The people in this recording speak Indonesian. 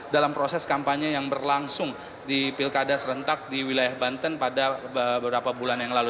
dalam proses kampanye yang berlangsung di pilkada serentak di wilayah banten pada beberapa bulan yang lalu